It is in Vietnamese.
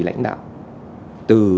lãnh đạo từ